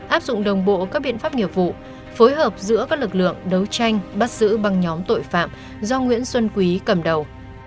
áp dụng đồng bộ các biện pháp nghiệp vụ phối hợp giữa các lực lượng đấu tranh bắt giữ băng nhóm tội phạm do nguyễn xuân quý cầm đầu